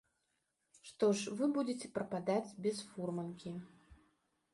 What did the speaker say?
Што ж вы будзеце прападаць без фурманкі.